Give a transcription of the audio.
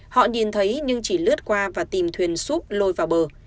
họ nhìn thấy nhưng chỉ lướt qua và tìm thuyền súp lôi vào bờ